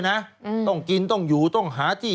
สวัสดีค่ะต้อนรับคุณบุษฎี